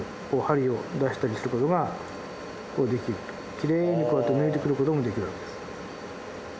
奇麗にこうやって抜いてくることもできるわけです。